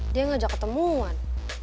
dia ngajak ketemuan